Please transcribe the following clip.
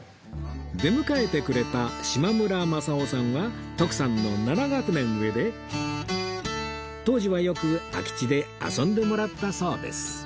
出迎えてくれた島村政雄さんは徳さんの７学年上で当時はよく空き地で遊んでもらったそうです